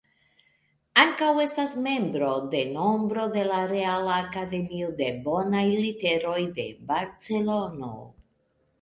Ankaŭ estas membro de nombro de la Reala Akademio de Bonaj Literoj de Barcelono.